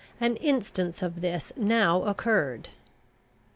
An instance of this now occurred.